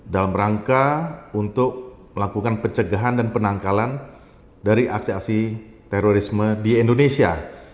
dalam rangka untuk melakukan pencegahan dan penangkalan dari aksi aksi terorisme di indonesia